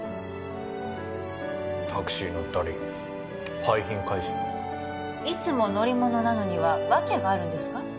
タクシー乗ったり廃品回収とかいつも乗り物なのには訳があるんですか？